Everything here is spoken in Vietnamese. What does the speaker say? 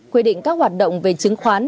quy định các hoạt động về chứng khoán